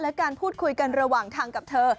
และการพูดคุยกันระหว่างทางกับเธอ